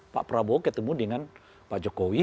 pak prabowo ketemu dengan pak jokowi